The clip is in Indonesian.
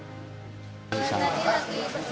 dari tadi berjaga jaga sedang mengerjakan di tps